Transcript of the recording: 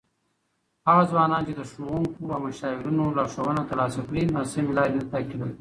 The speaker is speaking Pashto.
هغه ځوانان چې له ښوونکو او مشاورینو لارښوونه ترلاسه کړي، ناسمې لارې نه تعقیبوي.